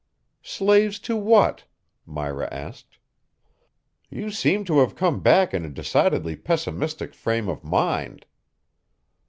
"Slaves to what?" Myra asked. "You seem to have come back in a decidedly pessimistic frame of mind."